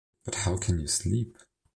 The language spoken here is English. But how can I sleep?